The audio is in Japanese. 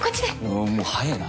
おいもう早ぇな。